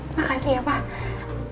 makasih ya pak